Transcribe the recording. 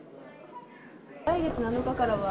来月７日からは。